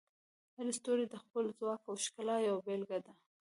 هر ستوری د خپل ځواک او ښکلا یوه بیلګه ده.